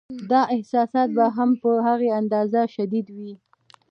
دا احساسات به هم په هغه اندازه شدید وي.